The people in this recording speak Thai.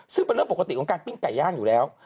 ซึ่งเป็นเรื่องปกติของการปิ้งไก่ย่างอยู่แล้ว